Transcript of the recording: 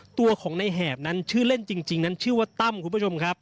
ตัวของไอ้แหบนั้นชื่อเล่นจริงนั้นชื่อว่าตม